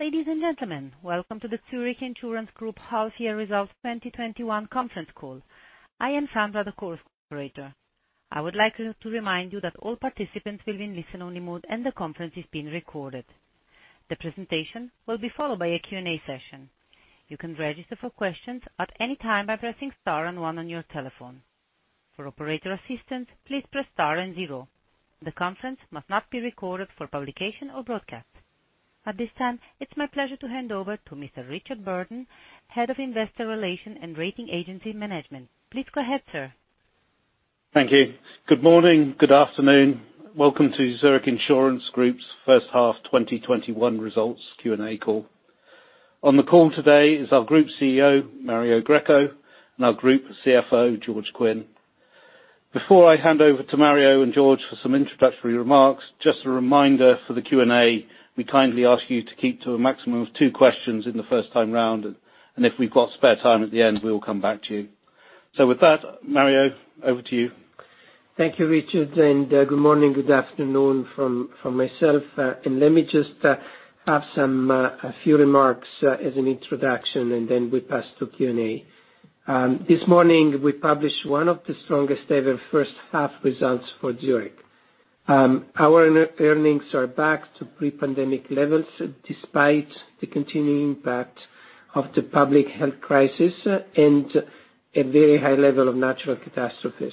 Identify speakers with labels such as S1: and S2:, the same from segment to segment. S1: Ladies and gentlemen, welcome to the Zurich Insurance Group half year results 2021 conference call. I am Sandra, the call operator. I would like to remind you that all participants will be in listen-only mode, and the conference is being recorded. The presentation will be followed by a Q&A session. You can register for questions at any time by pressing star and one on your telephone. For operator assistance, please press star and zero. The conference must not be recorded for publication or broadcast. At this time, it's my pleasure to hand over to Mr. Richard Burden, Head of Investor Relations and Rating Agency Management. Please go ahead, sir.
S2: Thank you. Good morning, good afternoon. Welcome to Zurich Insurance Group's first half 2021 results Q&A call. On the call today is our Group CEO, Mario Greco, and our Group CFO, George Quinn. Before I hand over to Mario and George for some introductory remarks, just a reminder for the Q&A, we kindly ask you to keep to a maximum of two questions in the first time round, and if we've got spare time at the end, we will come back to you. With that, Mario, over to you.
S3: Thank you, Richard, and good morning, good afternoon from myself. Let me just have a few remarks as an introduction, then we pass to Q&A. This morning, we published one of the strongest-ever first-half results for Zurich. Our earnings are back to pre-pandemic levels despite the continuing impact of the public health crisis and a very high level of natural catastrophes.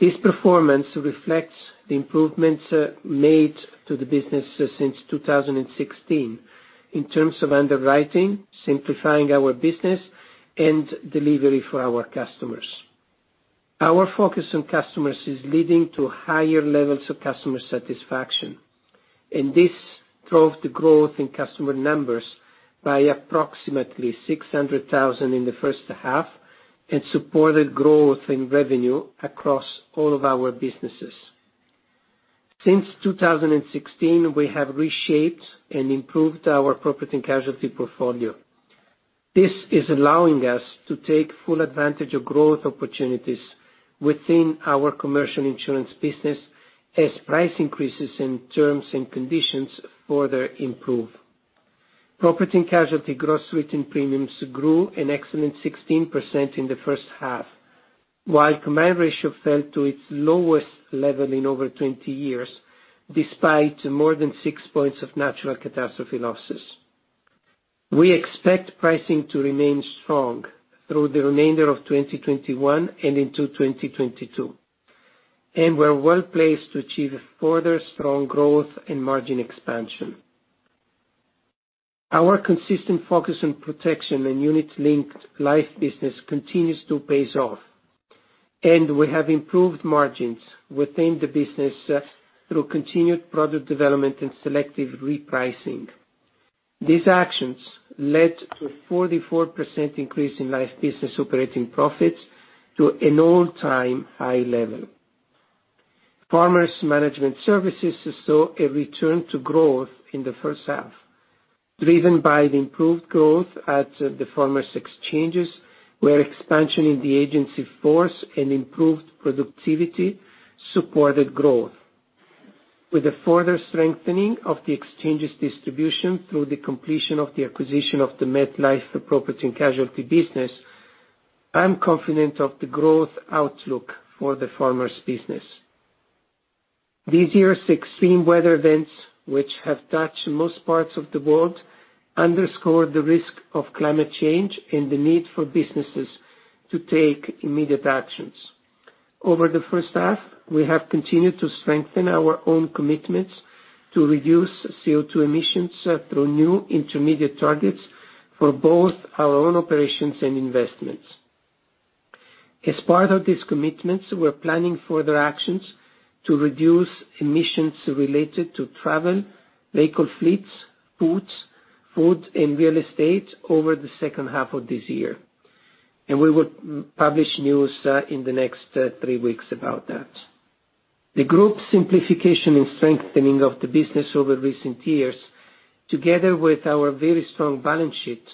S3: This performance reflects the improvements made to the business since 2016 in terms of underwriting, simplifying our business, and delivery for our customers. Our focus on customers is leading to higher levels of customer satisfaction, and this drove the growth in customer numbers by approximately 600,000 in the first half and supported growth in revenue across all of our businesses. Since 2016, we have reshaped and improved our property and casualty portfolio. This is allowing us to take full advantage of growth opportunities within our commercial insurance business as price increases in terms and conditions further improve. Property & Casualty gross written premiums grew an excellent 16% in the first half, while combined ratio fell to its lowest level in over 20 years, despite more than six points of natural catastrophe losses. We expect pricing to remain strong through the remainder of 2021 and into 2022, we're well-placed to achieve a further strong growth and margin expansion. Our consistent focus on protection and unit-linked life business continues to pay off, we have improved margins within the business through continued product development and selective repricing. These actions led to a 44% increase in life business operating profits to an all-time high level. Farmers Management Services saw a return to growth in the first half, driven by the improved growth at the Farmers Exchanges, where expansion in the agency force and improved productivity supported growth. With a further strengthening of the Exchange's distribution through the completion of the acquisition of the MetLife property and casualty business, I'm confident of the growth outlook for the Farmers business. This year's extreme weather events, which have touched most parts of the world, underscore the risk of climate change and the need for businesses to take immediate actions. Over the first half, we have continued to strengthen our own commitments to reduce CO2 emissions through new intermediate targets for both our own operations and investments. As part of these commitments, we're planning further actions to reduce emissions related to travel, vehicle fleets, buildings, food, and real estate over the second half of this year. We will publish news in the next three weeks about that. The group simplification and strengthening of the business over recent years, together with our very strong balance sheet,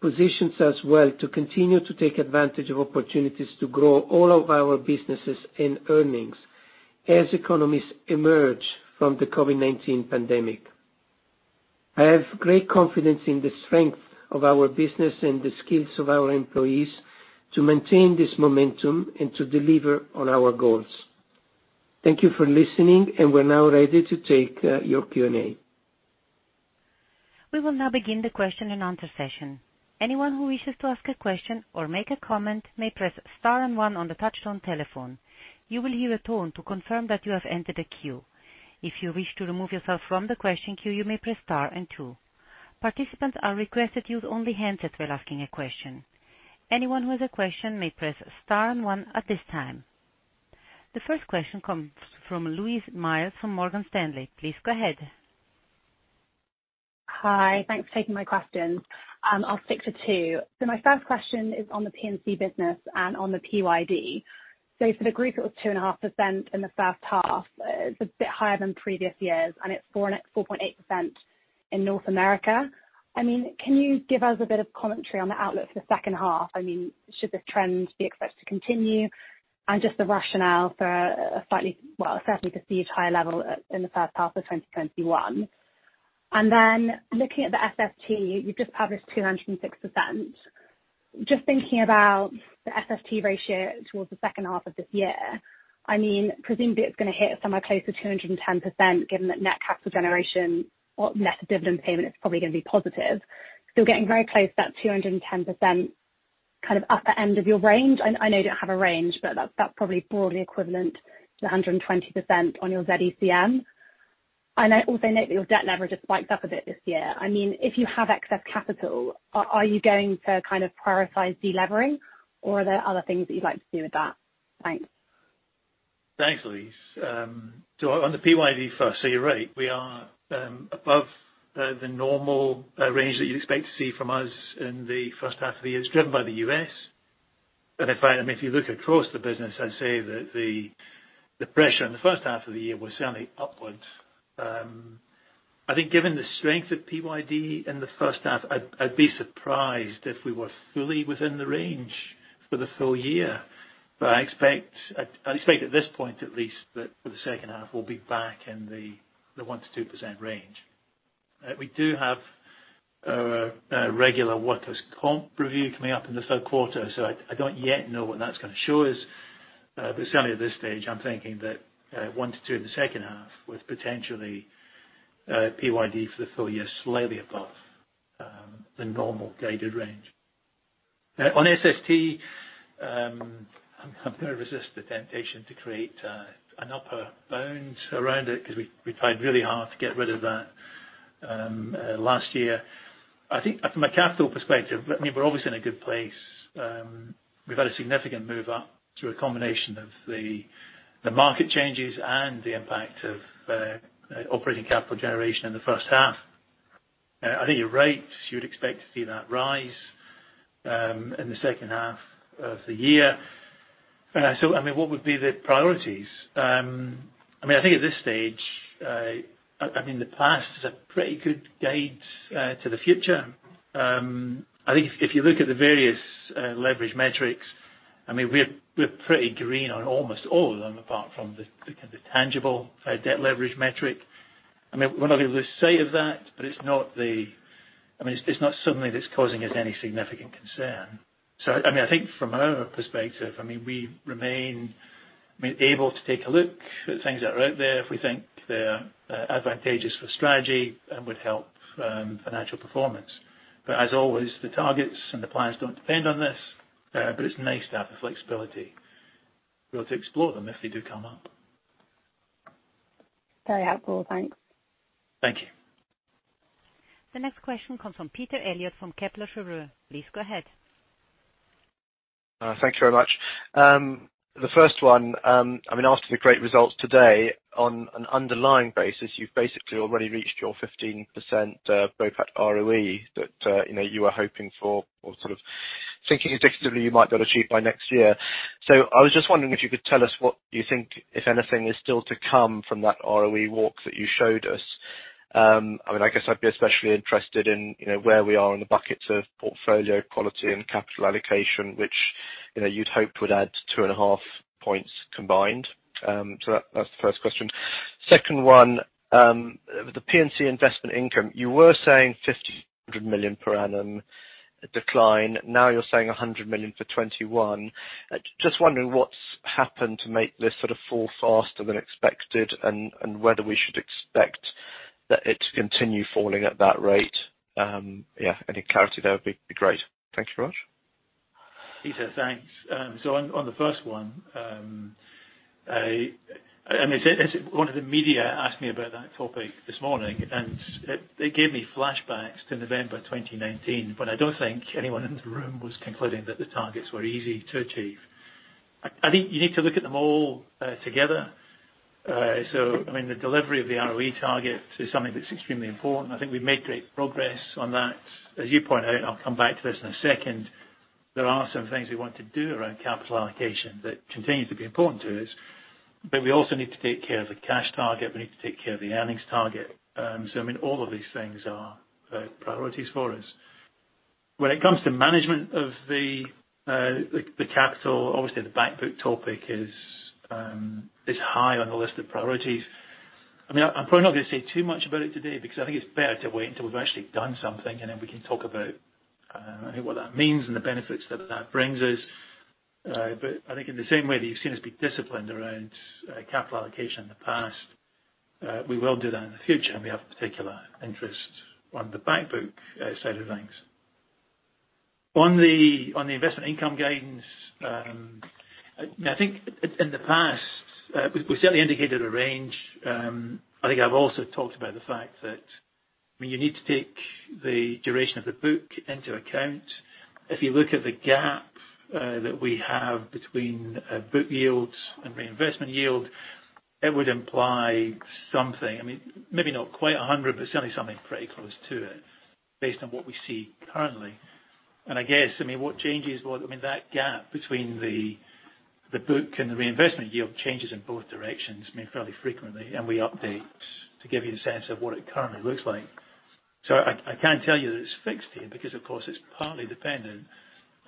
S3: positions us well to continue to take advantage of opportunities to grow all of our businesses and earnings as economies emerge from the COVID-19 pandemic. I have great confidence in the strength of our business and the skills of our employees to maintain this momentum and to deliver on our goals. Thank you for listening, and we're now ready to take your Q&A.
S1: We will now begin a question and answer session. Anyone who wish to ask a question or make a comment may press star one on their touch-tone telephone. You will hear a tone to confirm that you have entered the queue. If you wish to remove yourself from the question queue you may press star two. Participants are only requested to use handset while asking a question. Anyone with a question may press star one at this time. The first question comes from Louise Miles from Morgan Stanley. Please go ahead.
S4: Hi. Thanks for taking my questions. I'll stick to two. My first question is on the P&C business and on the PYD. For the group, it was 2.5% in the first half. It's a bit higher than previous years, and it's 4.8% in North America. Can you give us a bit of commentary on the outlook for the second half? Should this trend be expected to continue? Just the rationale for a certainly perceived higher level in the first half of 2021. Looking at the SST, you've just published 206%. Just thinking about the SST ratio towards the second half of this year. Presumably it's going to hit somewhere close to 210%, given that net capital generation or net dividend payment is probably going to be positive. You're getting very close to that 210% kind of upper end of your range. I know you don't have a range, but that's probably broadly equivalent to the 120% on your Z-ECM. I also note that your debt leverage has spiked up a bit this year. If you have excess capital, are you going to prioritize de-levering or are there other things that you'd like to do with that? Thanks.
S5: Thanks, Louise. On the PYD first, you're right, we are above the normal range that you'd expect to see from us in the first half of the year. It's driven by the U.S. If you look across the business, I'd say that the pressure in the first half of the year was certainly upwards. I think given the strength of PYD in the first half, I'd be surprised if we were fully within the range for the full year. I expect, at this point at least, that for the second half we'll be back in the 1%-2% range. We do have our regular workers comp review coming up in the third quarter, so I don't yet know what that's going to show us. Certainly at this stage, I'm thinking that one to two in the second half with potentially PYD for the full year, slightly above the normal guided range. On SST, I'm going to resist the temptation to create an upper bound around it, because we tried really hard to get rid of that last year. I think from a capital perspective, we're obviously in a good place. We've had a significant move up through a combination of the market changes and the impact of operating capital generation in the first half. I think you're right. You would expect to see that rise in the second half of the year. What would be the priorities? I think at this stage, the past is a pretty good guide to the future. I think if you look at the various leverage metrics, we're pretty green on almost all of them, apart from the tangible debt leverage metric. We're not able to say of that, but it's not something that's causing us any significant concern. I think from our perspective, we remain able to take a look at things that are out there if we think they're advantageous for strategy and would help financial performance. As always, the targets and the plans don't depend on this. It's nice to have the flexibility. We ought to explore them if they do come up.
S4: Very helpful. Thanks.
S5: Thank you.
S1: The next question comes from Peter Eliot from Kepler Cheuvreux. Please go ahead.
S6: Thanks very much. The first one, after the great results today, on an underlying basis, you've basically already reached your 15% BOPAT ROE that you were hoping for or sort of thinking indicatively you might be able to achieve by next year. I was just wondering if you could tell us what you think, if anything, is still to come from that ROE walk that you showed us. I guess I'd be especially interested in where we are in the buckets of portfolio quality and capital allocation, which you'd hoped would add 2.5 Points combined. That's the first question. Second one, the P&C investment income. You were saying $50 million per annum decline. Now you're saying $100 million for 2021. Just wondering what's happened to make this sort of fall faster than expected and whether we should expect that it's continued falling at that rate. Any clarity there would be great. Thank you very much.
S5: Peter, thanks. On the first one of the media asked me about that topic this morning, and it gave me flashbacks to November 2019 when I don't think anyone in the room was concluding that the targets were easy to achieve. I think you need to look at them all together. The delivery of the ROE target is something that's extremely important. I think we've made great progress on that. As you point out, I'll come back to this in a second. There are some things we want to do around capital allocation that continue to be important to us, but we also need to take care of the cash target. We need to take care of the earnings target. All of these things are priorities for us. When it comes to management of the capital, obviously the back book topic is high on the list of priorities. I'm probably not going to say too much about it today because I think it's fair to wait until we've actually done something, and then we can talk about what that means and the benefits that that brings us. I think in the same way that you've seen us be disciplined around capital allocation in the past, we will do that in the future. We have a particular interest on the back book side of things. On the investment income gains. I think in the past, we certainly indicated a range. I think I've also talked about the fact that you need to take the duration of the book into account. If you look at the gap that we have between book yields and reinvestment yield, it would imply something. Maybe not quite 100, but certainly something pretty close to it based on what we see currently. I guess, what changes? Well, that gap between the book and the reinvestment yield changes in both directions fairly frequently. We update to give you a sense of what it currently looks like. I can't tell you that it's fixed here because, of course, it's partly dependent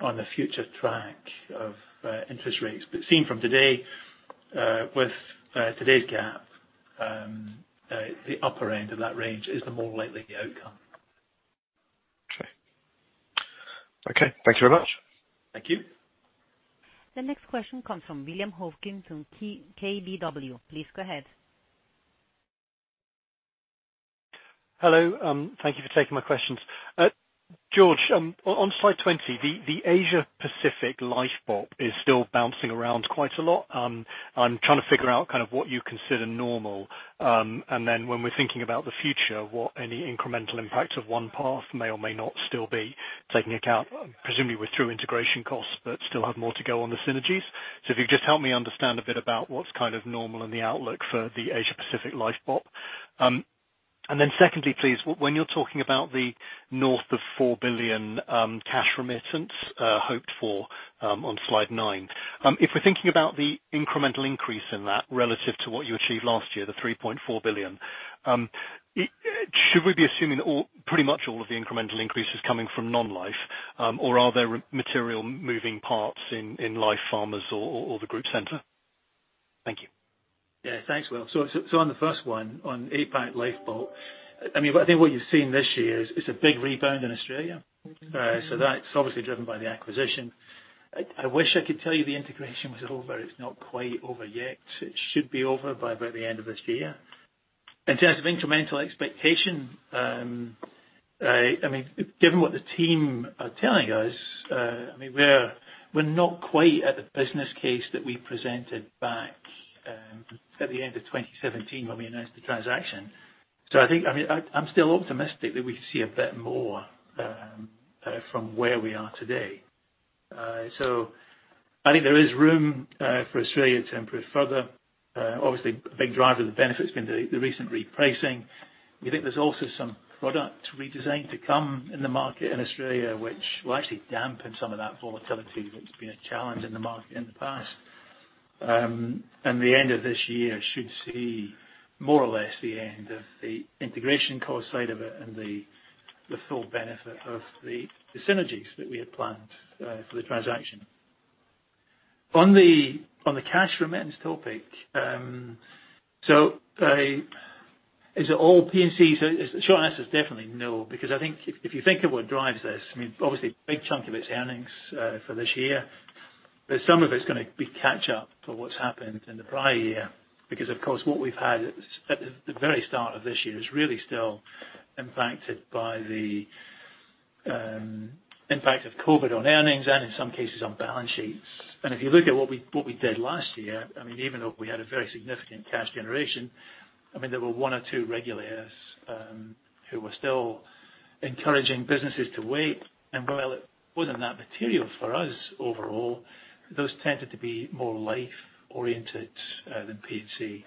S5: on the future track of interest rates. Seen from today, with today's gap, the upper end of that range is the more likely outcome.
S6: Okay. Thank you very much.
S5: Thank you.
S1: The next question comes from William Hawkins from KBW. Please go ahead.
S7: Hello. Thank you for taking my questions. George Quinn, on Slide 20, the Asia Pacific Life BOP is still bouncing around quite a lot. I am trying to figure out what you consider normal. When we are thinking about the future, what any incremental impact of OnePath may or may not still be taking account, presumably through integration costs, but still have more to go on the synergies. If you just help me understand a bit about what is normal in the outlook for the Asia Pacific Life BOP. Secondly, please, when you are talking about the north of 4 billion cash remittance hoped for on Slide 9. If we are thinking about the incremental increase in that relative to what you achieved last year, the 3.4 billion. Should we be assuming that pretty much all of the incremental increase is coming from non-life? Are there material moving parts in Life Farmers or the group center? Thank you.
S5: Yeah, thanks, Will. On the first one, on APAC Life BOP, I think what you're seeing this year is, it's a big rebound in Australia. That's obviously driven by the acquisition. I wish I could tell you the integration was over. It's not quite over yet. It should be over by about the end of this year. In terms of incremental expectation, given what the team are telling us, we're not quite at the business case that we presented back at the end of 2017 when we announced the transaction. I'm still optimistic that we see a bit more from where we are today. I think there is room for Australia to improve further. Obviously, a big driver of the benefit has been the recent repricing. We think there's also some product redesign to come in the market in Australia, which will actually dampen some of that volatility that's been a challenge in the market in the past. The end of this year should see more or less the end of the integration cost side of it and the full benefit of the synergies that we had planned for the transaction. On the cash remittance topic. Is it all P&C? The short answer is definitely no, because I think if you think of what drives this, obviously, a big chunk of it is earnings for this year. Some of it's going to be catch up for what's happened in the prior year, because, of course, what we've had at the very start of this year is really still impacted by the impact of COVID on earnings and in some cases on balance sheets. If you look at what we did last year, even though we had a very significant cash generation, there were one or two regulators who were still encouraging businesses to wait. While it wasn't that material for us overall, those tended to be more life oriented than P&C.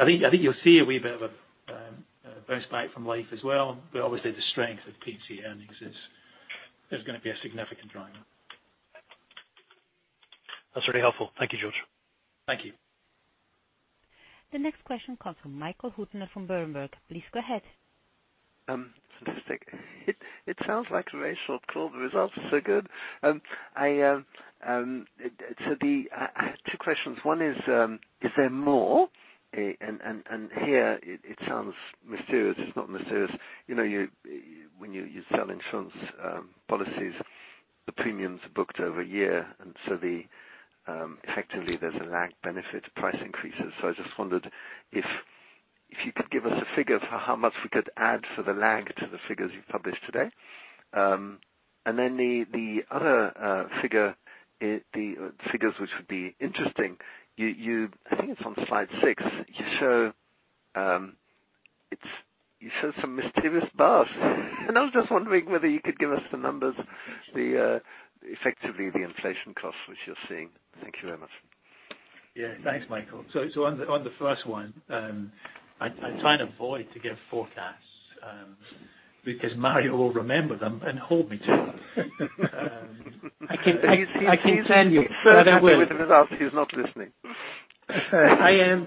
S5: I think you'll see a wee bit of a bounce back from life as well. Obviously the strength of P&C earnings is going to be a significant driver.
S7: That's really helpful. Thank you, George.
S5: Thank you.
S1: The next question comes from Michael Huttner from Berenberg. Please go ahead.
S8: Fantastic. It sounds like a very short call. The results are so good. I have two questions. One is there more? Here it sounds mysterious. It's not mysterious. When you sell insurance policies, the premiums are booked over a year, effectively, there's a lag benefit to price increases. I just wondered if you could give us a figure for how much we could add for the lag to the figures you've published today. The other figures which would be interesting, I think it's on slide six. You show some mysterious bars, I was just wondering whether you could give us the numbers, effectively, the inflation costs which you're seeing. Thank you very much.
S5: Yeah. Thanks, Michael. On the first one, I try and avoid to give forecasts, because Mario will remember them and hold me to them. I can tell you that I will.
S8: He's so happy with the results, he's not listening.
S3: I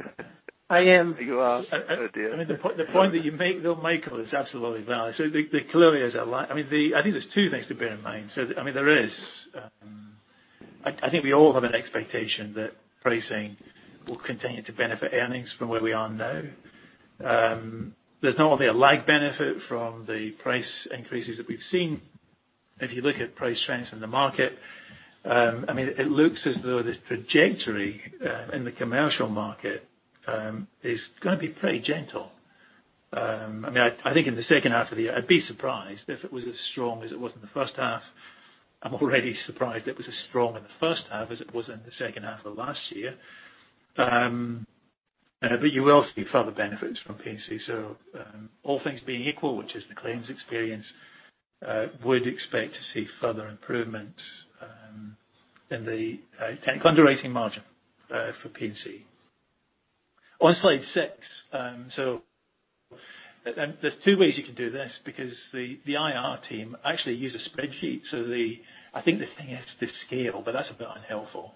S3: am.
S8: You are? Oh, dear.
S5: The point that you make though, Michael, is absolutely valid. Clearly, I think there's two things to bear in mind. I think we all have an expectation that pricing will continue to benefit earnings from where we are now. There's not only a lag benefit from the price increases that we've seen. If you look at price trends in the market, it looks as though this trajectory in the commercial market is going to be pretty gentle. I think in the second half of the year, I'd be surprised if it was as strong as it was in the first half. I'm already surprised it was as strong in the first half as it was in the second half of last year. You will see further benefits from P&C. All things being equal, which is the claims experience, would expect to see further improvement in the underwriting margin for P&C. On slide six, there's two ways you can do this, because the IR team actually use a spreadsheet. I think the thing is to scale, but that's a bit unhelpful.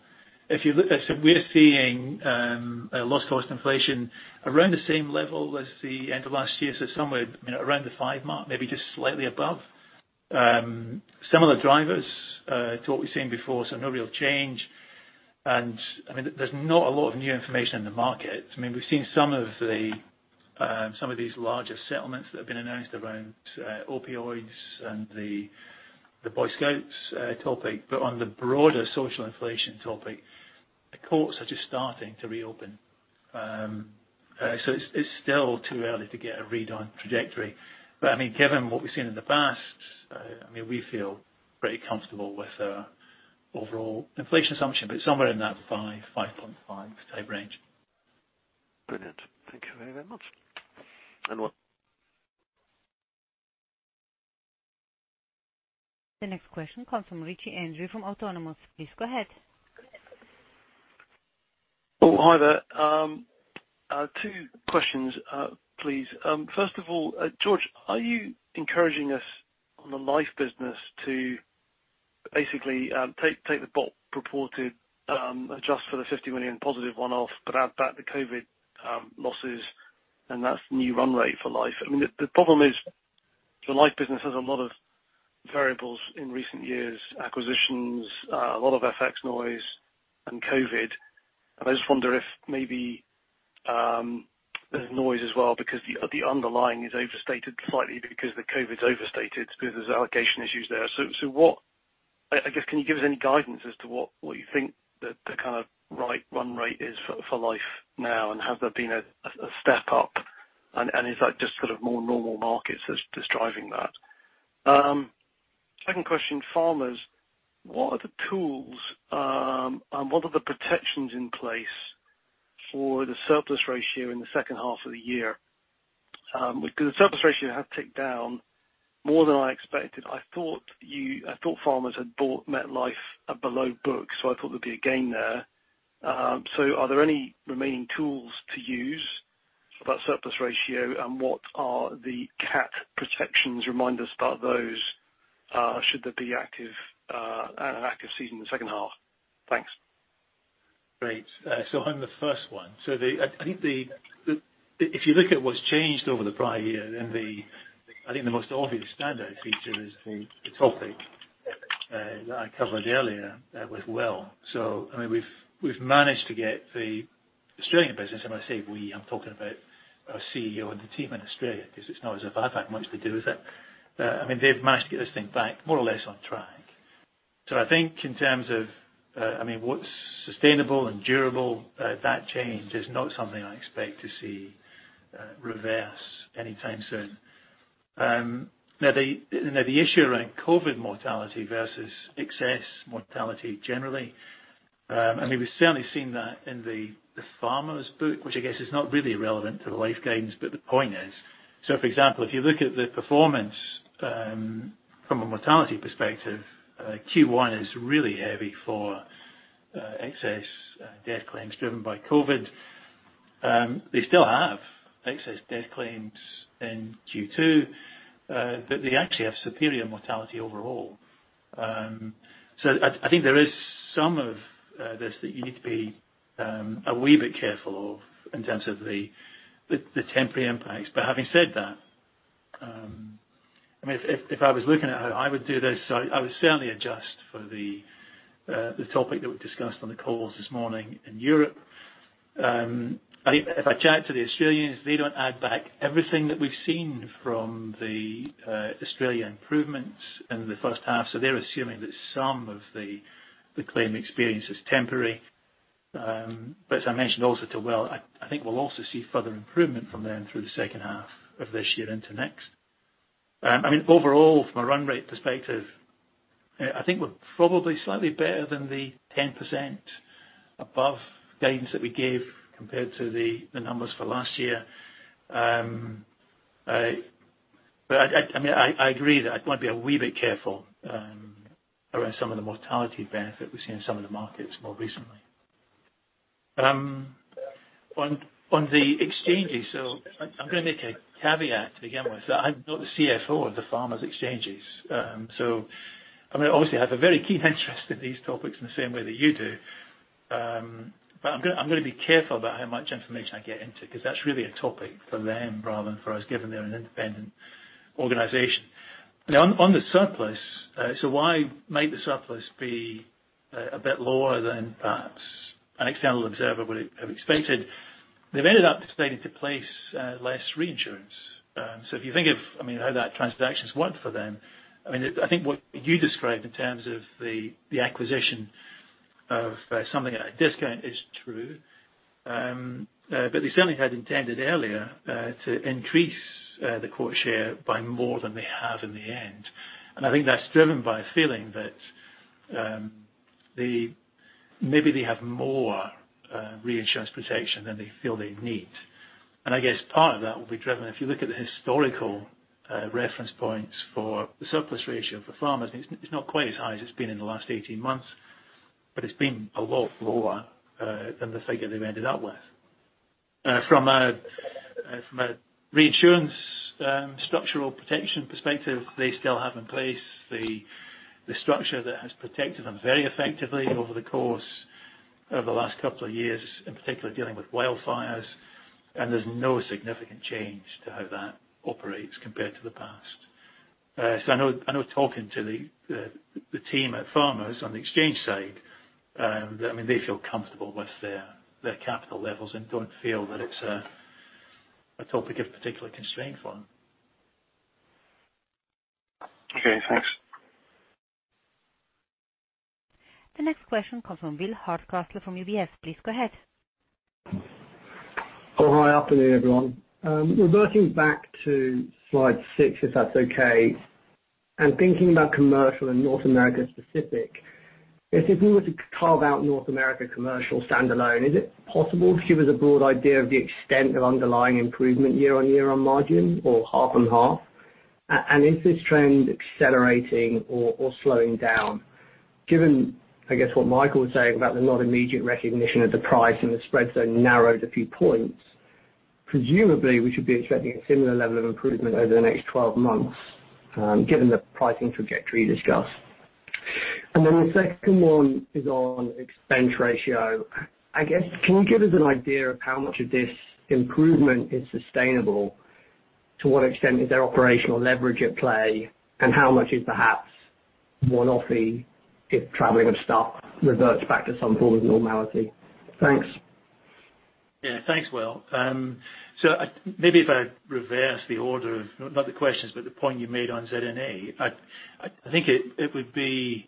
S5: We're seeing a loss cost inflation around the same level as the end of last year. Somewhere around the five mark, maybe just slightly above. Some of the drivers to what we've seen before, no real change. There's not a lot of new information in the market. We've seen some of these larger settlements that have been announced around opioids and the Boy Scouts topic. On the broader social inflation topic, the courts are just starting to reopen. It's still too early to get a read on trajectory. Given what we've seen in the past, we feel pretty comfortable with our overall inflation assumption, but somewhere in that 5.5 type range.
S8: Brilliant. Thank you very, very much.
S1: The next question comes from Andrew Ritchie from Autonomous. Please go ahead.
S9: Oh, hi there. Two questions, please. First of all, George, are you encouraging us on the life business to basically take the BOP reported, adjust for the $50 million positive one-off, but add back the COVID losses, and that's new run rate for life? The problem is the life business has a lot of variables in recent years, acquisitions, a lot of FX noise, and COVID. I just wonder if maybe there's noise as well because the underlying is overstated slightly because the COVID's overstated because there's allocation issues there. I guess, can you give us any guidance as to what you think the kind of right run rate is for life now, and has there been a step up, and is that just sort of more normal markets that's driving that? Second question, Farmers. What are the tools, and what are the protections in place for the surplus ratio in the second half of the year? Because the surplus ratio have ticked down more than I expected. I thought Farmers had bought MetLife at below book, so I thought there'd be a gain there. Are there any remaining tools to use for that surplus ratio, and what are the CAT protections, remind us about those? Should there be an active season in the second half? Thanks.
S5: Great. On the first one. I think if you look at what's changed over the prior year, then I think the most obvious standout feature is the topic that I covered earlier with Will. We've managed to get the Australian business, and when I say we, I'm talking about our CEO and the team in Australia, because it's not as if I've had much to do with it. They've managed to get this thing back more or less on track. I think in terms of what's sustainable and durable, that change is not something I expect to see reverse anytime soon. The issue around COVID mortality versus excess mortality generally. We've certainly seen that in the Farmers book, which I guess is not really relevant to the life gains, but the point is. For example, if you look at the performance from a mortality perspective, Q1 is really heavy for excess death claims driven by COVID-19. They still have excess death claims in Q2. They actually have superior mortality overall. I think there is some of this that you need to be a wee bit careful of in terms of the temporary impacts. Having said that, if I was looking at how I would do this, I would certainly adjust for the topic that we discussed on the calls this morning in Europe. If I chat to the Australians, they don't add back everything that we've seen from the Australian improvements in the first half. They're assuming that some of the claim experience is temporary. As I mentioned also to Will, I think we'll also see further improvement from them through the second half of this year into next. From a run rate perspective, I think we're probably slightly better than the 10% above gains that we gave compared to the numbers for last year. I agree that I'd want to be a wee bit careful around some of the mortality benefit we've seen in some of the markets more recently. On the exchanges, I'm going to make a caveat to begin with. I'm not the CFO of the Farmers Exchanges. I obviously have a very keen interest in these topics in the same way that you do. I'm going to be careful about how much information I get into, because that's really a topic for them rather than for us, given they're an independent organization. On the surplus. Why might the surplus be a bit lower than perhaps an external observer would have expected? They've ended up deciding to place less reinsurance. If you think of how that transaction's worked for them, I think what you described in terms of the acquisition of something at a discount is true. They certainly had intended earlier to increase the core share by more than they have in the end. I think that's driven by a feeling that maybe they have more reinsurance protection than they feel they need. I guess part of that will be driven, if you look at the historical reference points for the surplus ratio for Farmers, it's not quite as high as it's been in the last 18 months, but it's been a lot lower than the figure they've ended up with. From a reinsurance structural protection perspective, they still have in place the structure that has protected them very effectively over the course of the last two years, in particular, dealing with wildfires. There's no significant change to how that operates compared to the past. I know talking to the team at Farmers on the exchange side, they feel comfortable with their capital levels and don't feel that it's a topic of particular constraint for them.
S9: Okay, thanks.
S1: The next question comes from Will Hardcastle from UBS. Please go ahead.
S10: Oh, hi. Afternoon, everyone. Reverting back to slide six, if that's okay, and thinking about commercial and North America specific, if we were to carve out North America commercial standalone, is it possible to give us a broad idea of the extent of underlying improvement year-on-year on margin or half-on-half? Is this trend accelerating or slowing down? Given, I guess, what Michael was saying about the not immediate recognition of the price and the spread so narrowed a few points, presumably we should be expecting a similar level of improvement over the next 12 months, given the pricing trajectory you discussed. The second one is on expense ratio. I guess, can you give us an idea of how much of this improvement is sustainable? To what extent is there operational leverage at play, and how much is perhaps one-off-y if traveling and stuff reverts back to some form of normality? Thanks.
S5: Yeah. Thanks, Will. Maybe if I reverse the order of, not the questions, but the point you made on ZNA. I think it would be,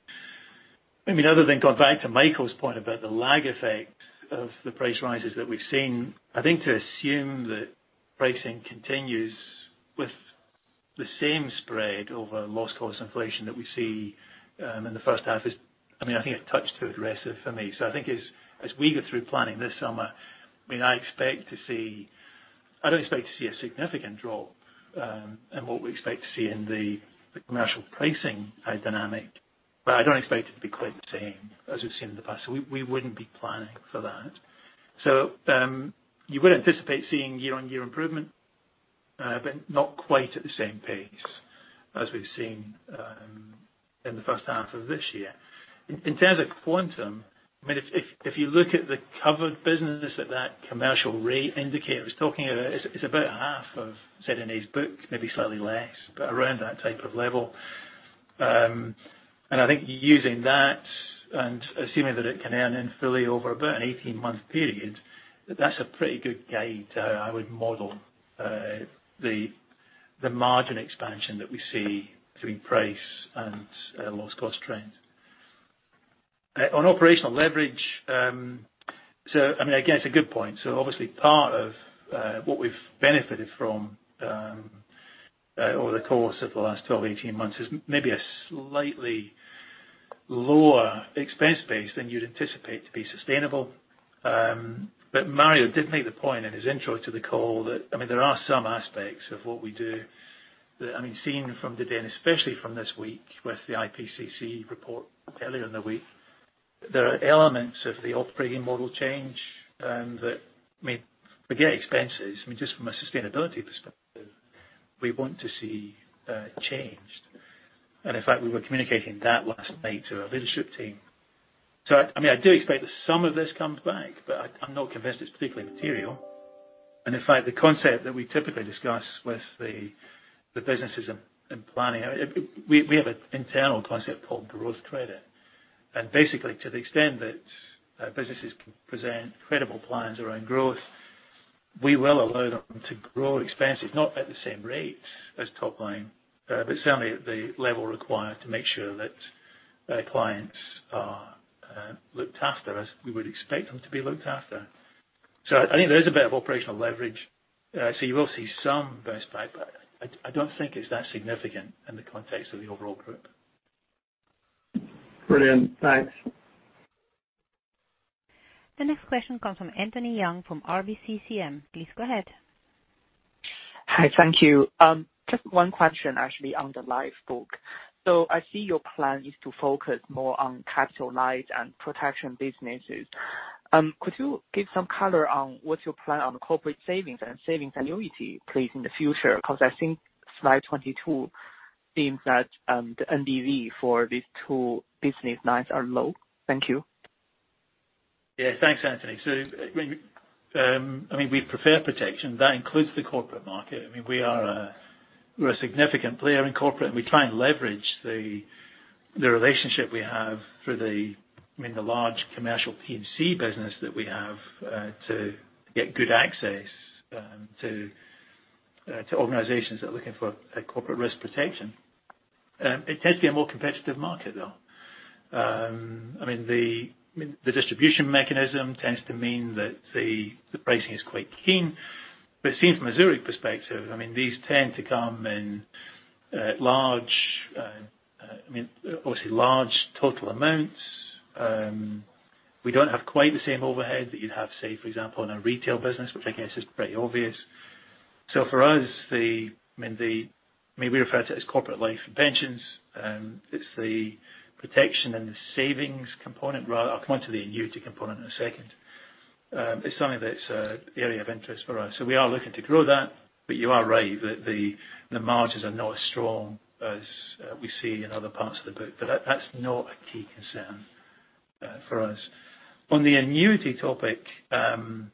S5: other than going back to Michael's point about the lag effect of the price rises that we've seen, I think to assume that pricing continues with the same spread over loss cost inflation that we see, in the first half is, I think a touch too aggressive for me. I think as we go through planning this summer, I don't expect to see a significant drop in what we expect to see in the commercial pricing dynamic. I don't expect it to be quite the same as we've seen in the past. We wouldn't be planning for that. You would anticipate seeing year-over-year improvement, but not quite at the same pace as we've seen in the first half of this year. In terms of quantum, if you look at the covered businesses that commercial rate indicator is talking about, it's about half of ZNA's book, maybe slightly less, but around that type of level. I think using that and assuming that it can earn in fully over about an 18-month period, that's a pretty good guide to how I would model the margin expansion that we see between price and loss cost trend. On operational leverage, again, it's a good point. Obviously part of what we've benefited from over the course of the last 12, 18 months is maybe a slightly lower expense base than you'd anticipate to be sustainable. Mario did make the point in his intro to the call that there are some aspects of what we do that, seeing from today and especially from this week with the IPCC report earlier in the week, there are elements of the operating model change that, forget expenses, just from a sustainability perspective, we want to see changed. In fact, we were communicating that last night to our leadership team. I do expect that some of this comes back, but I'm not convinced it's particularly material. In fact, the concept that we typically discuss with the businesses in planning, we have an internal concept called growth credit. Basically, to the extent that businesses can present credible plans around growth, we will allow them to grow expenses, not at the same rate as top line, but certainly at the level required to make sure that clients are looked after as we would expect them to be looked after. I think there is a bit of operational leverage. You will see some of those back, but I don't think it's that significant in the context of the overall group.
S10: Brilliant. Thanks.
S1: The next question comes from Anthony Yang from RBCCM. Please go ahead.
S11: Hi. Thank you. Just one question, actually, on the life book. I see your plan is to focus more on capital light and protection businesses. Could you give some color on what's your plan on the corporate savings and savings annuity plays in the future? Because I think slide 22 seems that the NBV for these two business lines are low. Thank you.
S5: Yeah. Thanks, Anthony. We prefer protection. That includes the corporate market. We are a significant player in corporate, and we try and leverage the relationship we have through the large commercial P&C business that we have, to get good access to organizations that are looking for corporate risk protection. It tends to be a more competitive market, though. The distribution mechanism tends to mean that the pricing is quite keen. Seen from a Zurich perspective, these tend to come in obviously large total amounts. We don't have quite the same overhead that you'd have, say, for example, in a retail business, which I guess is pretty obvious. For us, we refer to it as corporate life and pensions. It's the protection and the savings component. I'll come on to the annuity component in 1 second. It's something that's an area of interest for us. We are looking to grow that, but you are right that the margins are not as strong as we see in other parts of the book, but that's not a key concern for us. On the annuity topic, annuity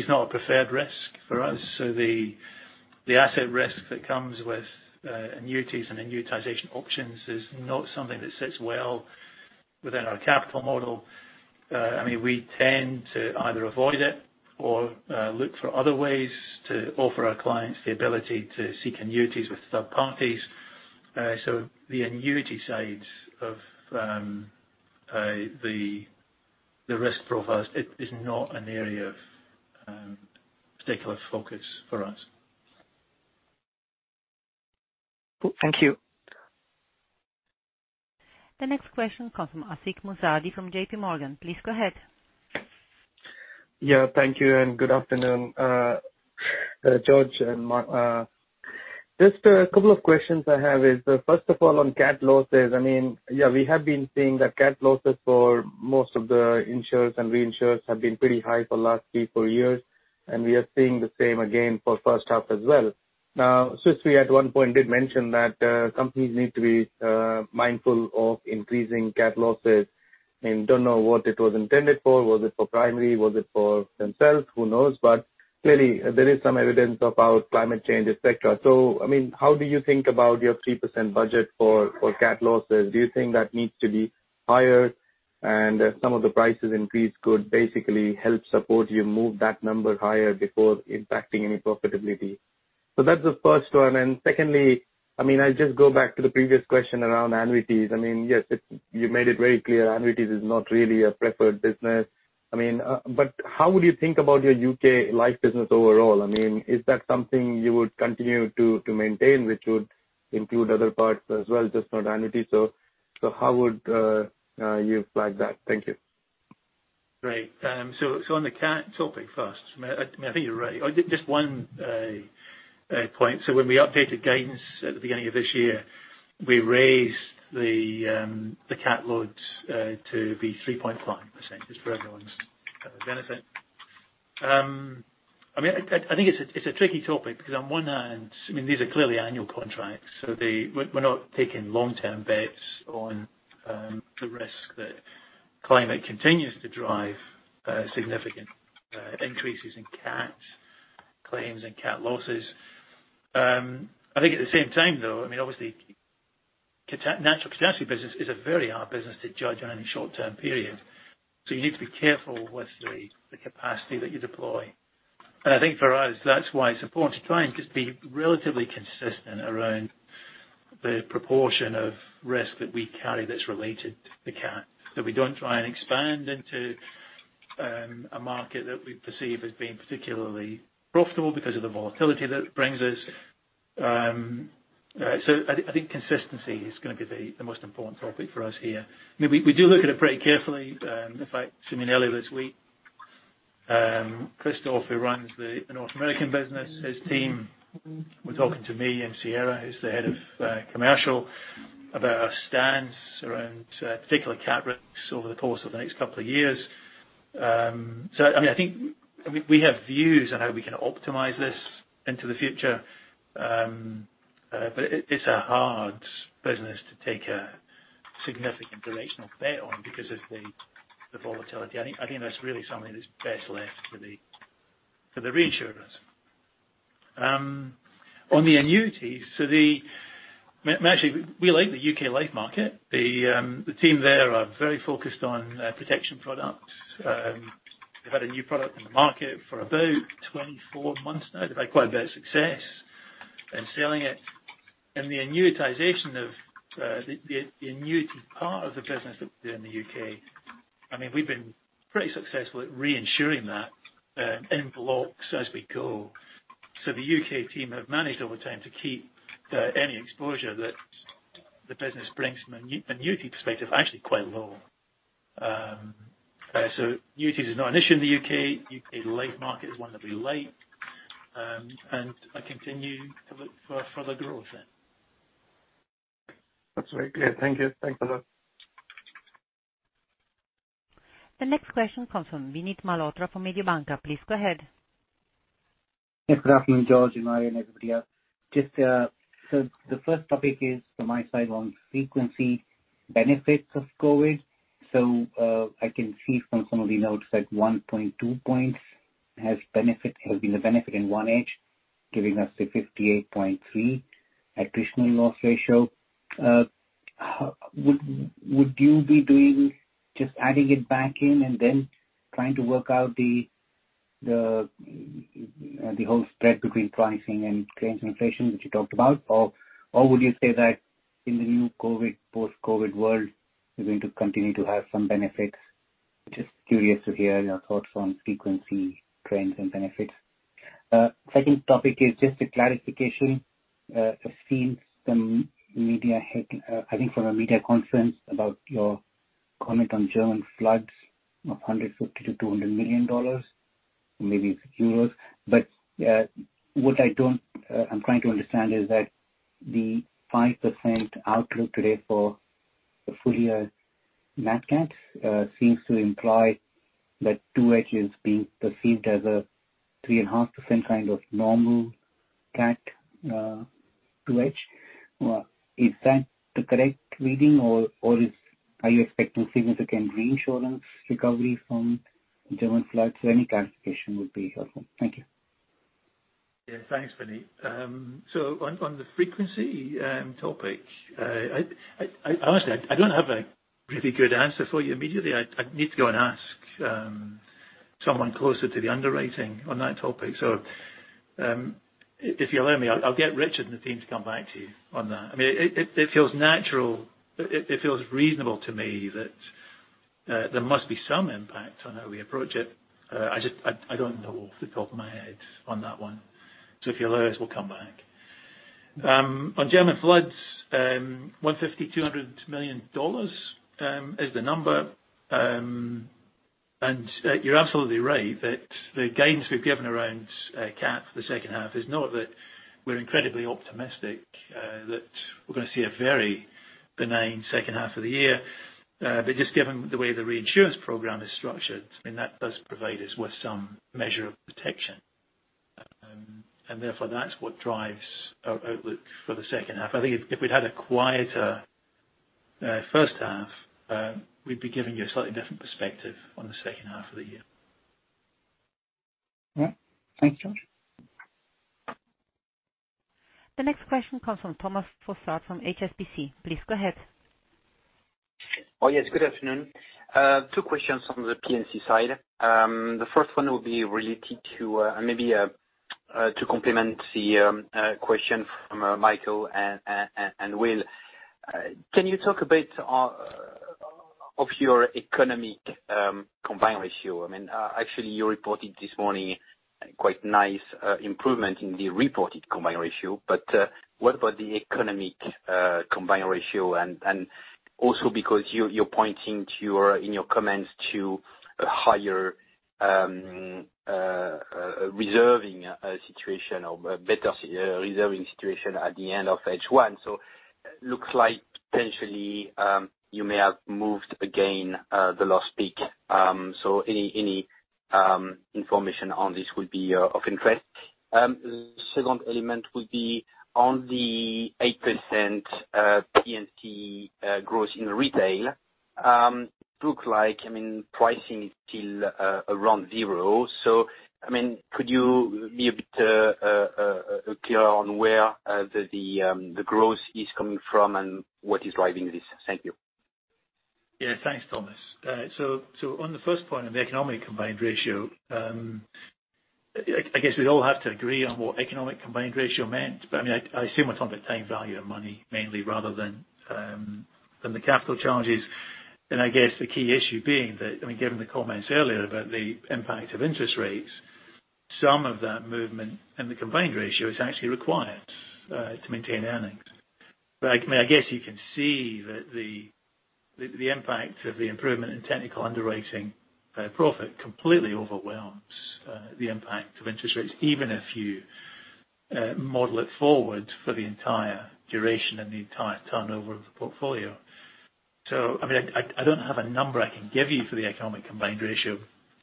S5: is not a preferred risk for us. The asset risk that comes with annuities and annuitization options is not something that sits well within our capital model. We tend to either avoid it or look for other ways to offer our clients the ability to seek annuities with third parties. The annuity side of the risk profile is not an area of particular focus for us.
S11: Cool. Thank you.
S1: The next question comes from Ashik Musaddi from JPMorgan. Please go ahead.
S12: Thank you. Good afternoon, George and Mario. A couple of questions I have is, first of all, on cat losses. We have been seeing that cat losses for most of the insurers and reinsurers have been pretty high for the last three, four years, and we are seeing the same again for the first half as well. Swiss Re at one point did mention that companies need to be mindful of increasing cat losses. Don't know what it was intended for. Was it for primary? Was it for themselves? Who knows? Clearly, there is some evidence about climate change, et cetera. How do you think about your 3% budget for cat losses? Do you think that needs to be higher and some of the prices increased could basically help support you move that number higher before impacting any profitability? That's the first one. Secondly, I'll just go back to the previous question around annuities. Yes, you made it very clear annuities is not really a preferred business. How would you think about your U.K. life business overall? Is that something you would continue to maintain, which would include other parts as well, just not annuity? How would you flag that? Thank you.
S5: Great. On the cat topic first, I think you're right. Just one point. When we updated guidance at the beginning of this year, we raised the cat load to be 3.5% just for everyone's benefit. I think it's a tricky topic because on one hand, these are clearly annual contracts, so we're not taking long-term bets on the risk that climate continues to drive significant increases in cat claims and cat losses. I think at the same time, though, obviously, the catastrophe business is a very hard business to judge on any short-term period. You need to be careful with the capacity that you deploy. I think for us, that's why it's important to try and just be relatively consistent around the proportion of risk that we carry that's related to the cat, we don't try and expand into a market that we perceive as being particularly profitable because of the volatility that it brings us. I think consistency is going to be the most important topic for us here. We do look at it pretty carefully. In fact, earlier this week, Kristof, who runs the North American business, his team, were talking to me and Sierra, who's the Head of Commercial, about our stance around particular cat risks over the course of the next couple of years. I think we have views on how we can optimize this into the future. It's a hard business to take a significant directional bet on because of the volatility. I think that's really something that's best left for the reinsurers. On the annuities, actually, we like the U.K. life market. The team there are very focused on protection products. They've had a new product in the market for about 24 months now. They've had quite a bit of success in selling it. The annuitization of the annuity part of the business that we do in the U.K., we've been pretty successful at reinsuring that in blocks as we go. The U.K. team have managed over time to keep any exposure that the business brings from an annuity perspective, actually quite low. Annuities is not an issue in the U.K. U.K. life market is one that we like. I continue to look for further growth there.
S12: That's very clear. Thank you. Thanks a lot.
S1: The next question comes from Vinit Malhotra from Mediobanca. Please go ahead.
S13: Good afternoon, George and Mario and everybody else. The first topic is from my side on frequency benefits of COVID-19. I can see from some of the notes that 1.2 points has been the benefit in H1, giving us a 58.3% attritional loss ratio. Would you be doing just adding it back in and then trying to work out the whole spread between pricing and claims inflation, which you talked about? Or would you say that in the new post-COVID-19 world, we're going to continue to have some benefits? Just curious to hear your thoughts on frequency trends and benefits. Second topic is just a clarification. I've seen some media, I think from a media conference about your comment on German floods of EUR 150 million-EUR 200 million, maybe it's euros. What I'm trying to understand is that the 5% outlook today for the full year nat cat seems to imply that H2 being perceived as a 3.5% kind of normal cat H2. Is that the correct reading, or are you expecting significant reinsurance recovery from German floods? Any clarification would be helpful. Thank you.
S5: Yeah, thanks, Vinit. On the frequency topic, honestly, I don't have a really good answer for you immediately. I'd need to go and ask someone closer to the underwriting on that topic. If you'll allow me, I'll get Richard and the team to come back to you on that. It feels natural, it feels reasonable to me that there must be some impact on how we approach it. I don't know off the top of my head on that one. If you'll allow us, we'll come back. On German floods, 150 million, EUR 200 million is the number. You're absolutely right that the gains we've given around cat for the second half is not that we're incredibly optimistic that we're going to see a very benign second half of the year. Just given the way the reinsurance program is structured, that does provide us with some measure of protection. Therefore, that's what drives our outlook for the second half. I think if we'd had a quieter first half, we'd be giving you a slightly different perspective on the second half of the year.
S13: Yeah. Thank you.
S1: The next question comes from Thomas Fossard from HSBC. Please go ahead.
S14: Oh, yes. Good afternoon. Two questions from the P&C side. The first one will be related to maybe to complement the question from Michael and Will. Can you talk a bit of your economic combined ratio? Actually, you reported this morning quite nice improvement in the reported combined ratio. What about the economic combined ratio and also because you're pointing in your comments to a higher reserving situation or a better reserving situation at the end of H1. Looks like potentially you may have moved again the loss pick. Any information on this would be of interest. Second element would be on the 8% P&C growth in retail. Look like pricing is still around zero. Could you be a bit clearer on where the growth is coming from and what is driving this? Thank you.
S5: Thanks, Thomas. On the first point on the economic combined ratio, I guess we all have to agree on what economic combined ratio meant. I assume we are talking about time value of money mainly rather than the capital charges. I guess the key issue being that, given the comments earlier about the impact of interest rates, some of that movement in the combined ratio is actually required to maintain earnings. I guess you can see that the impact of the improvement in technical underwriting profit completely overwhelms the impact of interest rates, even if you model it forward for the entire duration and the entire turnover of the portfolio. I do not have a number I can give you for the economic combined ratio.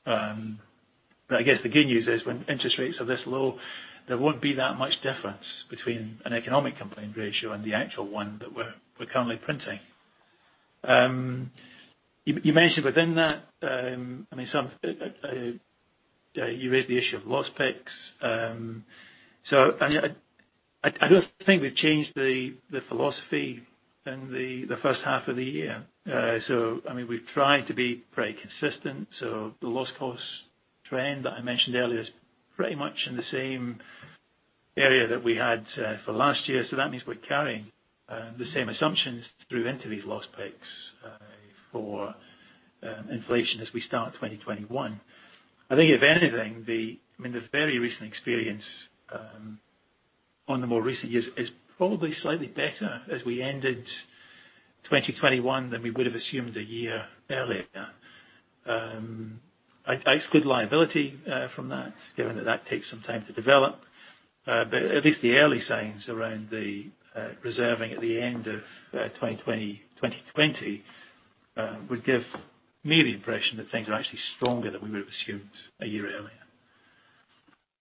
S5: I guess the good news is, when interest rates are this low, there won't be that much difference between an economic combined ratio and the actual one that we're currently printing. You mentioned within that, you raised the issue of loss picks. I don't think we've changed the philosophy in the first half of the year. We've tried to be pretty consistent. The loss cost trend that I mentioned earlier is pretty much in the same area that we had for last year. That means we're carrying the same assumptions through into these loss picks for inflation as we start 2021. I think if anything, the very recent experience on the more recent years is probably slightly better as we ended 2021 than we would have assumed a year earlier. I exclude liability from that, given that that takes some time to develop. At least the early signs around the reserving at the end of 2020 would give me the impression that things are actually stronger than we would have assumed a year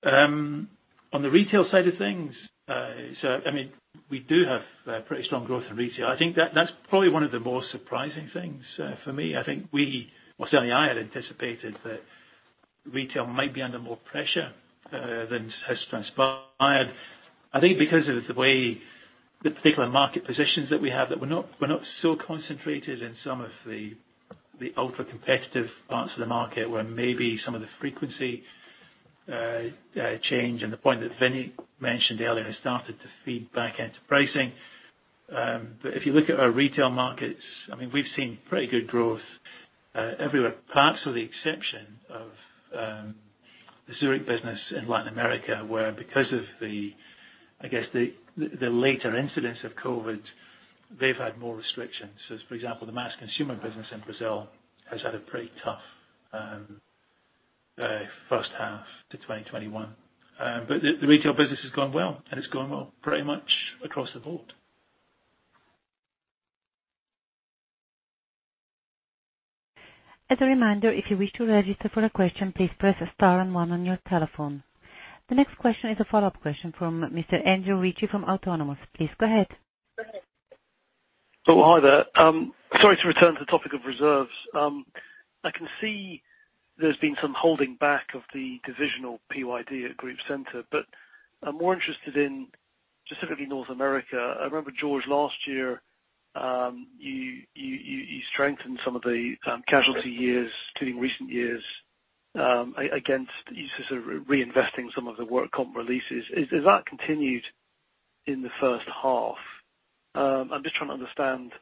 S5: earlier. On the retail side of things, we do have pretty strong growth in retail. I think that's probably one of the more surprising things for me. I think we, or certainly I had anticipated that retail might be under more pressure than has transpired. I think because of the way the particular market positions that we have, that we're not so concentrated in some of the ultra competitive parts of the market where maybe some of the frequency change and the point that Vinit mentioned earlier has started to feed back into pricing. If you look at our retail markets, we've seen pretty good growth everywhere. The Zurich business in Latin America, where because of the later incidence of COVID, they've had more restrictions. For example, the mass consumer business in Brazil has had a pretty tough first half to 2021. The retail business has gone well, and it's gone well pretty much across the board.
S1: As a reminder, if you wish to register for a question, please press star and one on your telephone. The next question is a follow-up question from Mr. Andrew Ritchie from Autonomous. Please go ahead.
S9: Oh, hi there. Sorry to return to the topic of reserves. I can see there's been some holding back of the divisional PYD at Group center, but I'm more interested in specifically North America. I remember, George, last year, you strengthened some of the casualty years, including recent years, against reinvesting some of the work comp releases. Has that continued in the first half? I'm just trying to understand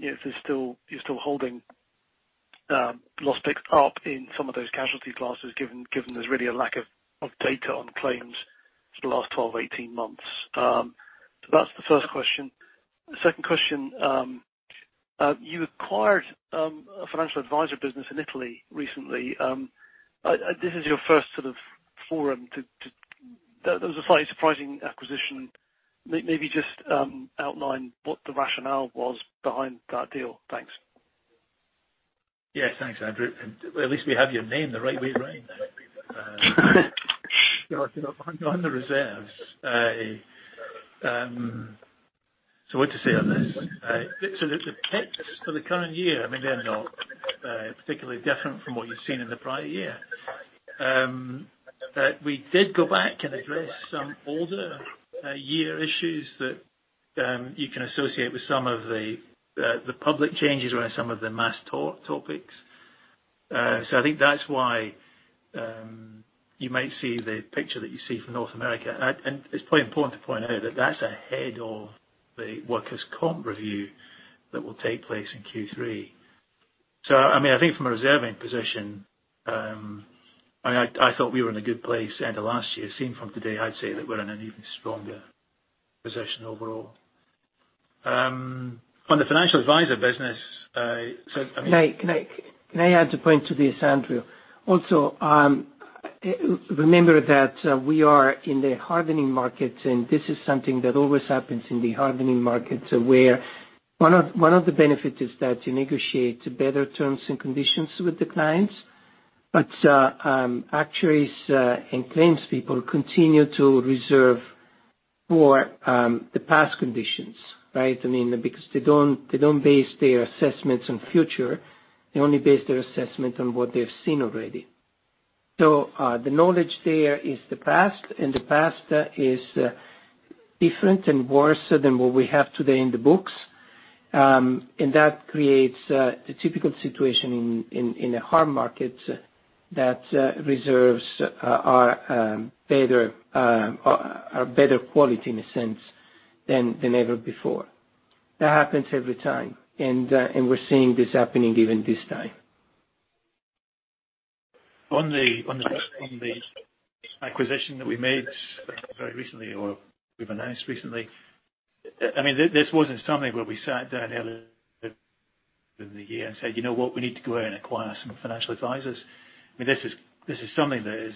S9: if you're still holding loss picks up in some of those casualty classes, given there's really a lack of data on claims for the last 12-18 months. That's the first question. The second question, you acquired a financial advisor business in Italy recently. This is your first foray. That was a slightly surprising acquisition. Maybe just outline what the rationale was behind that deal. Thanks.
S5: Yes, thanks, Andrew. At least we have your name the right way around now. On the reserves. What to say on this? Absolutely. picks for the current year, I mean, they're not particularly different from what you've seen in the prior year. We did go back and address some older year issues that you can associate with some of the public changes around some of the mass torts. I think that's why you might see the picture that you see from North America. It's probably important to point out that that's ahead of the workers' comp review that will take place in Q3. I think from a reserving position, I thought we were in a good place end of last year. Seeing from today, I'd say that we're in an even stronger position overall. On the financial advisor business, I mean
S3: Can I add a point to this, Andrew? Also, remember that we are in the hardening markets, and this is something that always happens in the hardening markets, where one of the benefits is that you negotiate better terms and conditions with the clients. Actuaries and claims people continue to reserve for the past conditions, right? Because they don't base their assessments on future. They only base their assessment on what they've seen already. The knowledge there is the past, and the past is different and worse than what we have today in the books. That creates a typical situation in the hard market that reserves are better quality, in a sense, than ever before. That happens every time. We're seeing this happening even this time.
S5: On the acquisition that we made very recently, or we've announced recently, this wasn't something where we sat down earlier in the year and said, "You know what? We need to go out and acquire some financial advisors." This is something that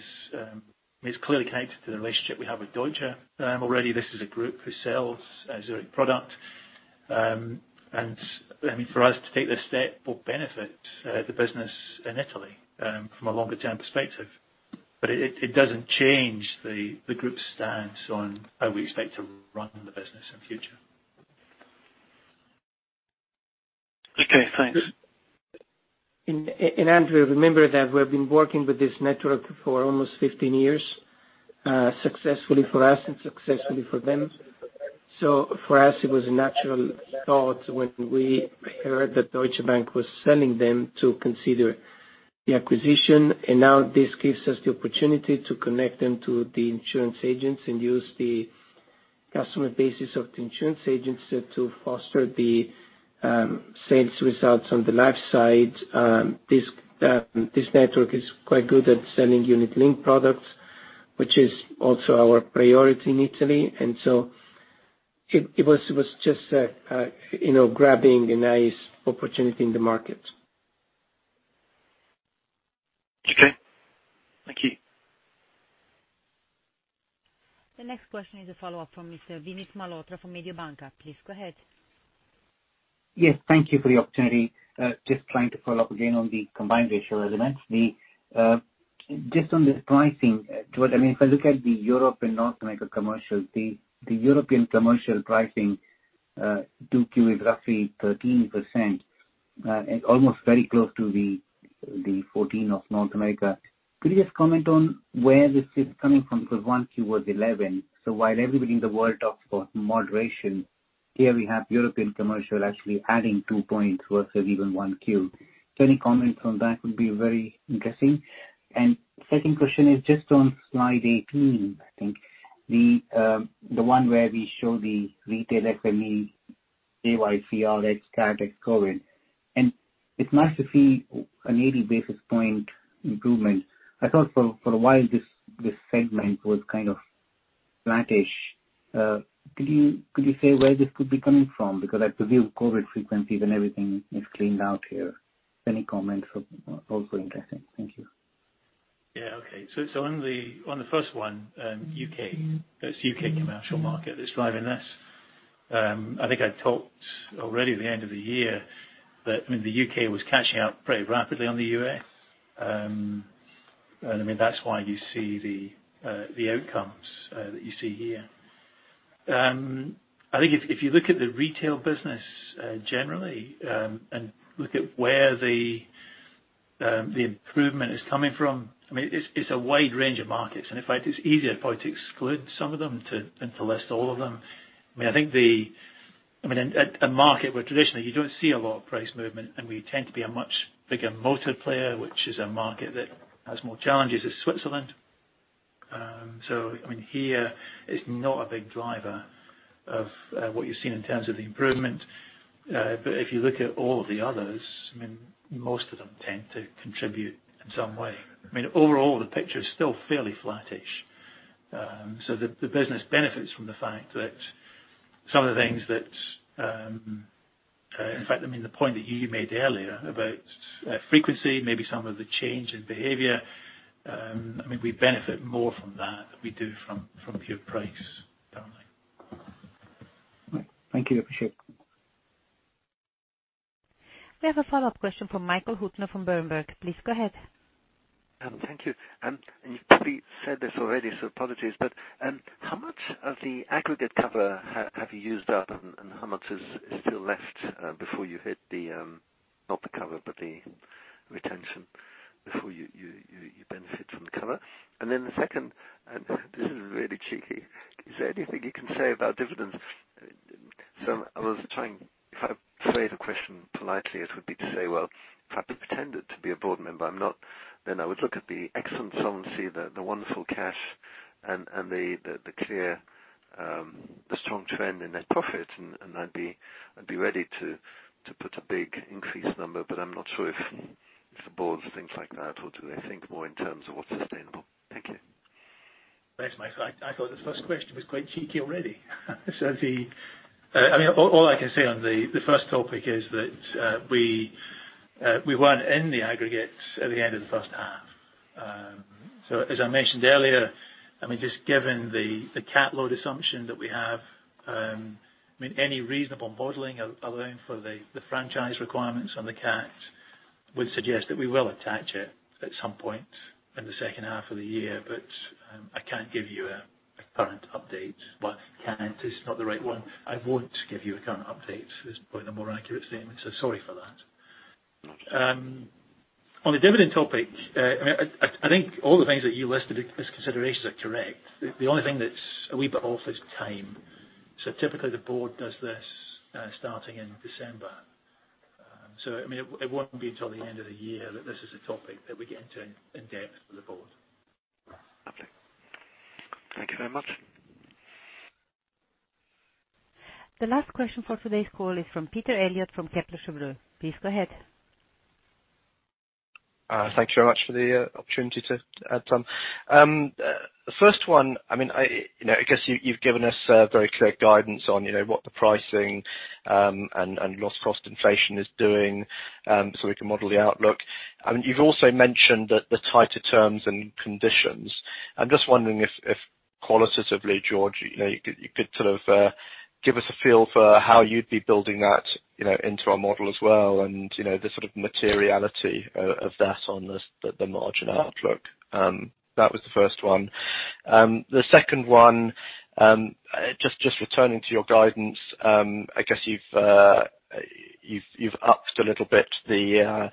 S5: is clearly connected to the relationship we have with Deutsche Bank. Already, this is a group who sells Zurich product. For us to take this step will benefit the business in Italy from a longer-term perspective. It doesn't change the group's stance on how we expect to run the business in future.
S9: Okay, thanks.
S3: Andrew, remember that we have been working with this network for almost 15 years, successfully for us and successfully for them. For us, it was a natural thought when we heard that Deutsche Bank was selling them to consider the acquisition. Now this gives us the opportunity to connect them to the insurance agents and use the customer basis of the insurance agents to foster the sales results on the life side. This network is quite good at selling unit-linked products, which is also our priority in Italy. So it was just grabbing a nice opportunity in the market.
S9: Okay. Thank you.
S1: The next question is a follow-up from Mr. Vinit Malhotra from Mediobanca. Please go ahead.
S13: Thank you for the opportunity. Trying to follow up again on the combined ratio elements. On this pricing, George Quinn, if I look at the Europe and North America commercial, the European commercial pricing, 2Q is roughly 13%, and almost very close to the 14% of North America. Could you just comment on where this is coming from? 1Q was 11%. While everybody in the world talks about moderation, here we have European commercial actually adding 2 points versus even 1Q. Any comment on that would be very interesting. Second question is just on slide 18, I think. The one where we show the retail SME KYC, all that cat covered. It's nice to see an 80 basis point improvement. I thought for a while this segment was kind of flattish. Could you say where this could be coming from? Because I presume COVID-19 frequencies and everything is cleaned out here. Any comments are also interesting. Thank you.
S5: Yeah. Okay. On the first one, U.K., that's U.K. commercial market that's driving this. I think I talked already at the end of the year that the U.K. was catching up pretty rapidly on the U.S. That's why you see the outcomes that you see here. I think if you look at the retail business generally, and look at where the improvement is coming from, it's a wide range of markets. In fact, it's easier probably to exclude some of them than to list all of them. A market where traditionally you don't see a lot of price movement, and we tend to be a much bigger motor player, which is a market that has more challenges, is Switzerland. Here, it's not a big driver of what you're seeing in terms of the improvement. If you look at all the others, most of them tend to contribute in some way. Overall, the picture is still fairly flattish. The business benefits from the fact that the point that you made earlier about frequency, maybe some of the change in behavior, we benefit more from that than we do from pure price, don't we?
S13: Right. Thank you. Appreciate it.
S1: We have a follow-up question from Michael Huttner from Berenberg. Please go ahead.
S8: Thank you. You've probably said this already, so apologies. How much of the aggregate cover have you used up, and how much is still left before you hit the retention before you benefit from the cover? The second, this is really cheeky. Is there anything you can say about dividends? I was trying, if I phrase the question politely, it would be to say, well, if I pretended to be a board member, I'm not, then I would look at the excellent solvency, the wonderful cash, and the clear strong trend in net profit, and I'd be ready to put a big increased number. I'm not sure if the board thinks like that, or do they think more in terms of what's sustainable? Thank you.
S5: Thanks, Michael. I thought the first question was quite cheeky already. All I can say on the first topic is that we weren't in the aggregate at the end of the first half. As I mentioned earlier, just given the cat load assumption that we have, any reasonable modeling, allowing for the franchise requirements on the cat, would suggest that we will attach it at some point in the second half of the year. I can't give you a current update. Well, can't is not the right one. I won't give you a current update, is probably the more accurate statement. Sorry for that.
S8: No, it's okay.
S5: On the dividend topic, I think all the things that you listed as considerations are correct. The only thing that's a wee bit off is time. Typically, the board does this starting in December. It won't be until the end of the year that this is a topic that we get into in depth with the board.
S8: Lovely. Thank you very much.
S1: The last question for today's call is from Peter Eliot from Kepler Cheuvreux. Please go ahead.
S6: Thanks very much for the opportunity to add some. First one, I guess you've given us very clear guidance on what the pricing and loss cost inflation is doing, so we can model the outlook. You've also mentioned the tighter terms and conditions. I'm just wondering if qualitatively, George, you could sort of give us a feel for how you'd be building that into our model as well and the sort of materiality of that on the margin outlook. That was the first one. The second one, just returning to your guidance. I guess you've upped a little bit the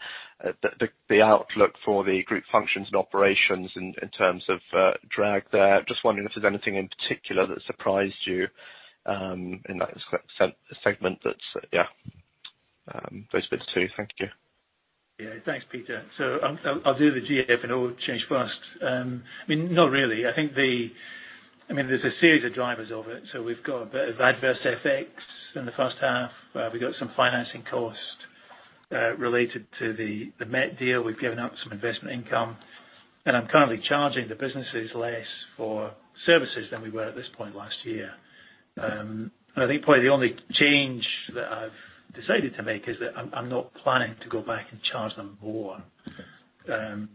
S6: outlook for the Group Functions and Operations in terms of drag there. Just wondering if there's anything in particular that surprised you in that segment. Those bits, two. Thank you.
S5: Thanks, Peter. I'll do the GF&O and all change first. Not really. There's a series of drivers of it. We've got a bit of adverse FX in the first half, where we got some financing costs related to the Met deal. We've given up some investment income. I'm currently charging the businesses less for services than we were at this point last year. I think probably the only change that I've decided to make is that I'm not planning to go back and charge them more and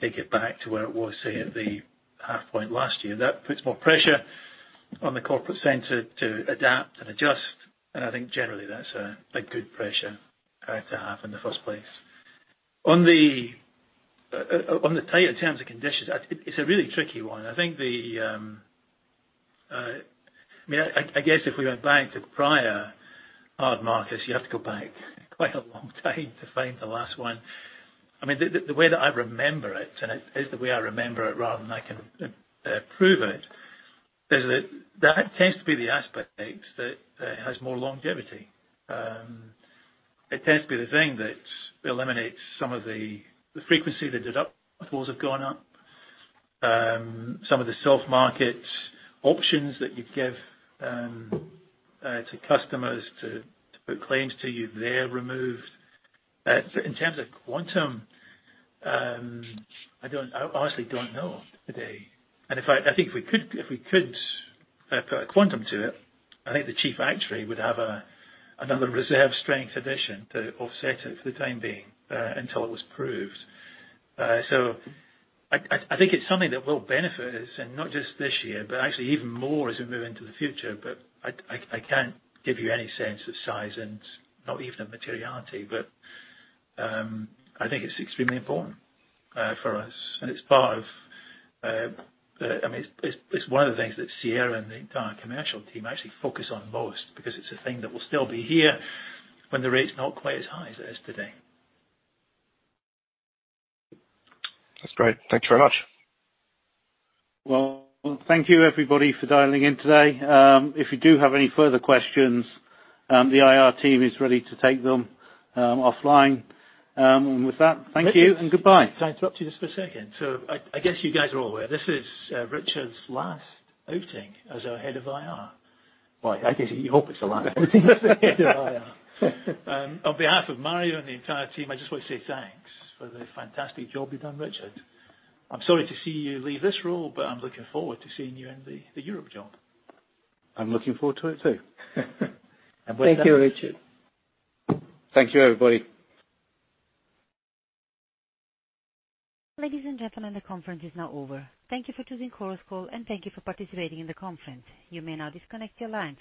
S5: take it back to where it was, say, at the half point last year. That puts more pressure on the corporate center to adapt and adjust. I think generally, that's a good pressure to have in the first place. On the tighter terms and conditions, it's a really tricky one. I guess if we went back to prior hard markets, you have to go back quite a long time to find the last one. The way that I remember it, and it is the way I remember it rather than I can prove it, is that that tends to be the aspect that has more longevity. It tends to be the thing that eliminates some of the frequency. The deductibles have gone up. Some of the soft market options that you give to customers to put claims to you, they're removed. In terms of quantum, I honestly don't know today. In fact, I think if we could put a quantum to it, I think the chief actuary would have another reserve strength addition to offset it for the time being, until it was proved. I think it's something that will benefit us, and not just this year, but actually even more as we move into the future. I can't give you any sense of size and not even a materiality. I think it's extremely important for us, and it's one of the things that Sierra and the entire commercial team actually focus on most, because it's a thing that will still be here when the rate's not quite as high as it is today.
S6: That's great. Thanks very much.
S2: Well, thank you everybody for dialing in today. If you do have any further questions, the IR team is ready to take them offline. With that, thank you and goodbye.
S5: Can I interrupt you just for a second? I guess you guys are all aware, this is Richard's last outing as our head of IR.
S2: Well, at least you hope it's the last outing as head of IR.
S5: On behalf of Mario and the entire team, I just want to say thanks for the fantastic job you've done, Richard. I'm sorry to see you leave this role, but I'm looking forward to seeing you in the Europe job.
S2: I'm looking forward to it, too.
S3: And with that- Thank you, Richard.
S2: Thank you, everybody.
S1: Ladies and gentlemen, the conference is now over. Thank you for choosing Chorus Call, and thank you for participating in the conference. You may now disconnect your lines.